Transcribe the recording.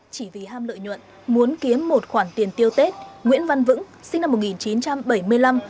chỉ vì ham lợi nhuận muốn kiếm một khoản tiền tiêu tết nguyễn văn vững sinh năm một nghìn chín trăm bảy mươi năm